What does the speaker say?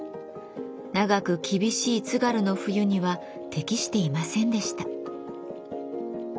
長く厳しい津軽の冬には適していませんでした。